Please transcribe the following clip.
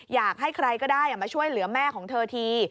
อยากให้ใครก็ได้มาช่วยเหลือแม่ของเธอที